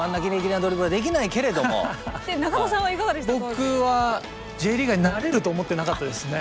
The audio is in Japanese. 僕はＪリーガーになれると思ってなかったですね。